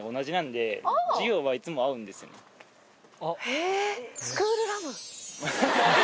へぇ。